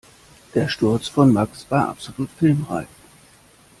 Der Sturz von Max war absolut filmreif.